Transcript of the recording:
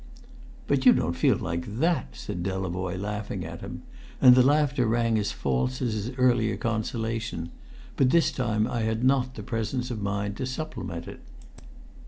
"But you don't feel like that!" said Delavoye, laughing at him; and the laughter rang as false as his earlier consolation; but this time I had not the presence of mind to supplement it.